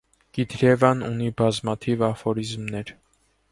Կիդրևան ունի բազմաթիվ աֆորիզմներ։